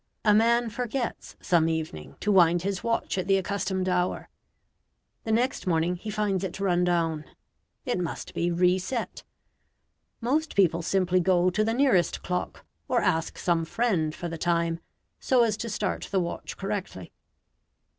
A man forgets some evening to wind his watch at the accustomed hour. The next morning he finds it run down. It must be re set. Most people simply go to the nearest clock, or ask some friend for the time, so as to start the watch correctly.